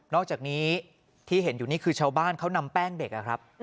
อกจากนี้ที่เห็นอยู่นี่คือชาวบ้านเขานำแป้งเด็กครับ